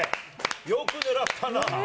よく狙ったなあ。